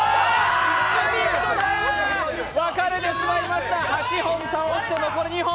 分かれてしまいました、８本倒れて、残り２本。